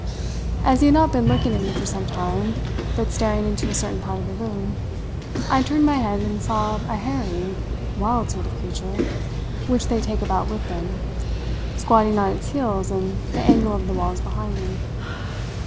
As he had not been looking at me for some time, but staring into a certain part of the room, I turned my head and saw a hairy, wild sort of creature which they take about with them, squatting on its heels in the angle of the walls behind me.